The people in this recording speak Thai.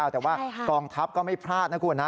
แต่ว่ากองทัพก็ไม่พลาดนะคุณนะ